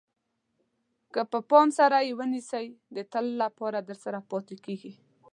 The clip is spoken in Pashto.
که په پام سره یې ونیسئ د تل لپاره درسره پاتې کېږي.